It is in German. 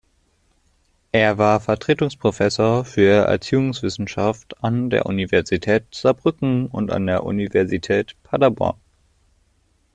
Er war Vertretungsprofessor für Erziehungswissenschaft an der Universität Saarbrücken und an der Universität Paderborn.